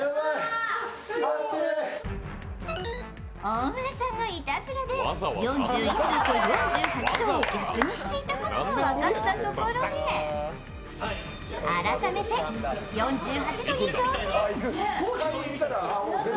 大村さんのいたずらで４１度と４８度を逆にしていたことが分かったところで、改めて４８度に挑戦。